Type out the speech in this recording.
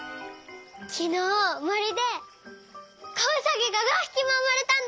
きのうもりでこうさぎが５ひきもうまれたんだって！